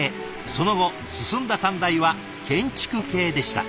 その後進んだ短大は建築系でした。